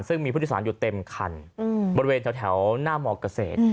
ซึ่งมีพุทธศาลอยู่เต็มคันบริเวณแถวหน้าหมอกเกษตร